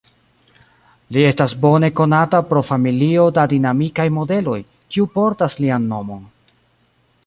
Li estas bone konata pro familio da dinamikaj modeloj, kiu portas lian nomon.